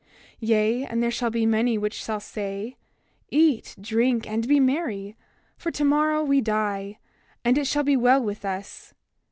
28:7 Yea, and there shall be many which shall say: Eat, drink, and be merry, for tomorrow we die; and it shall be well with us.